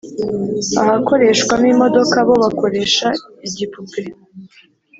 Ahakoreshwamo imodoka bo bakoresha igipupe